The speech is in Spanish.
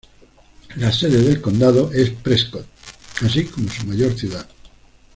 La sede del condado es Prescott, así como su mayor ciudad.